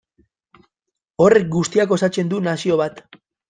Horrek guztiak osatzen du nazio bat.